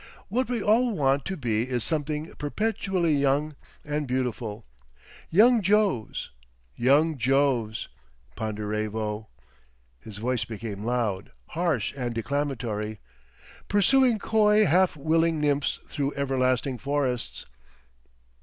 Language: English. What we all want to be is something perpetually young and beautiful—young Joves—young Joves, Ponderevo"—his voice became loud, harsh and declamatory—"pursuing coy half willing nymphs through everlasting forests."...